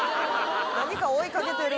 何か追いかけてる・